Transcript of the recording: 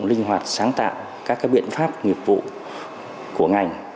linh hoạt sáng tạo các biện pháp nghiệp vụ của ngành